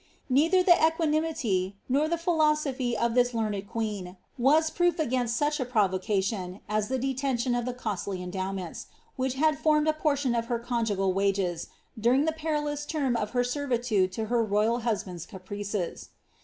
Neither the equanimity, nor the philosophy of this learned queen was proof asrain^ such a provocation as the detention of the costly endowments, which had formed a portion of her conjugal wages, during the perilous tenn of her ser\'itude to her royal husband's caprices.